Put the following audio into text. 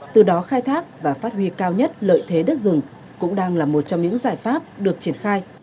từ đó khai thác và phát huy cao nhất lợi thế đất rừng cũng đang là một trong những giải pháp được triển khai